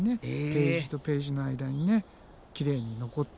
ページとページの間にきれいに残って。